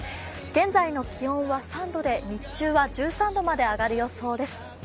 現在の気温は３度で、日中は１３度まで上がる予想です。